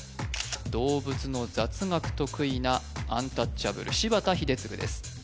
動物の雑学得意なアンタッチャブル柴田英嗣ですあ